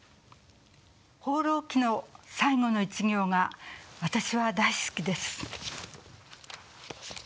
「放浪記」の最後の一行が私は大好きです。